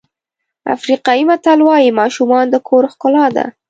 افریقایي متل وایي ماشومان د کور ښکلا ده.